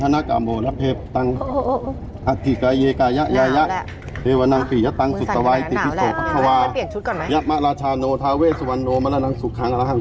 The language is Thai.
น่าวแล้วน่าวแล้วเราต้องไปเปลี่ยนชุดก่อนไหม